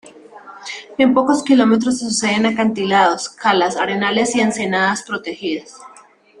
En pocos kilómetros se suceden acantilados, calas, arenales y ensenadas protegidas.